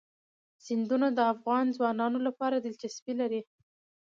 سیندونه د افغان ځوانانو لپاره دلچسپي لري.